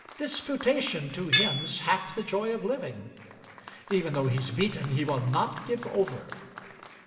Disputation to him's half the joy of living; Even though he's beaten, he will not give over.